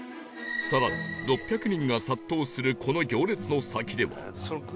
更に６００人が殺到するこの行列の先では